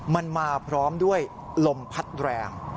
มันมาพร้อมด้วยลมพัดแรง